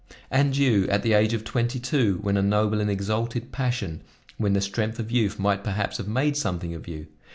"And you, at the age of twenty two when a noble and exalted passion, when the strength of youth might perhaps have made something of you!